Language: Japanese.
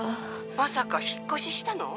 「まさか引っ越ししたの？